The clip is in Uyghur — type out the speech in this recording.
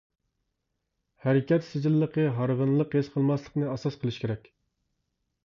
ھەرىكەت سىجىللىقى ھارغىنلىق ھېس قىلماسلىقنى ئاساس قىلىش كېرەك.